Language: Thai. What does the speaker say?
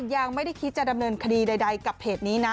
ยังไม่ได้คิดจะดำเนินคดีใดกับเพจนี้นะ